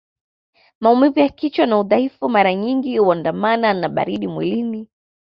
Maumivu ya kichwa na udhaifu mara nyingi huandamana na baridi mwilini